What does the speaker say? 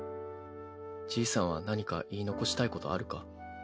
じいさんは何か言い残したいことあるか？